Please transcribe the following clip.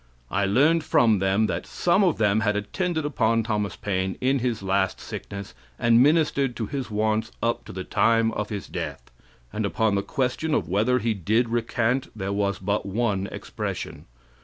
I learned from them that some of them had attended upon Thomas Paine in his last sickness, and ministered to his wants up to the time of his death. And upon the question of whether he did recant there was but one expression.